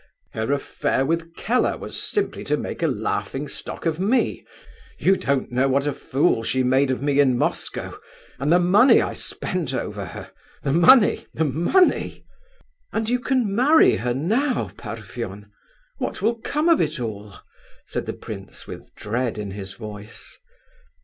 Her affair with Keller was simply to make a laughing stock of me. You don't know what a fool she made of me in Moscow; and the money I spent over her! The money! the money!" "And you can marry her now, Parfen! What will come of it all?" said the prince, with dread in his voice.